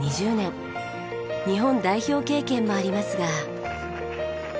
日本代表経験もありますが。